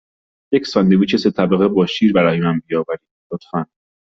یک ساندویچ سه طبقه با شیر برای من بیاورید، لطفاً.